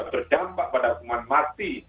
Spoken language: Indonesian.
berdampak pada hukuman mati